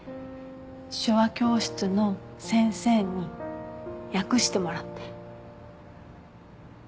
手話教室の先生に訳してもらって。